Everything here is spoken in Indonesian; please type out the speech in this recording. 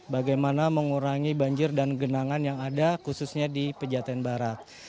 bagaimana mengurangi banjir dan genangan yang ada khususnya di pejaten barat